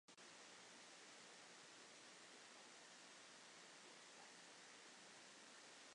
Viņš ar milzi Lutausi pat esot rada.